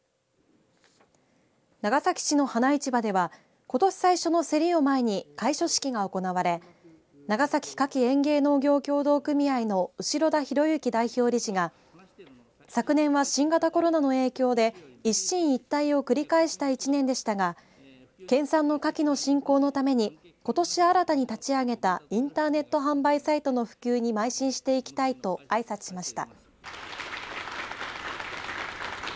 長崎市の花市場ではことし最初の競りを前に開所式が行われ長崎花き園芸農業協同組合の後田博之代表理事が昨年は新型コロナの影響で一進一退を繰り返した１年でしたが県産の花きの振興のためにことし新たに立ち上げたインターネット販売サイトの普及にまい進していきたいとあいさつしました。